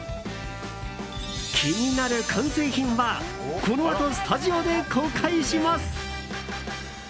気になる完成品はこのあと、スタジオで公開します。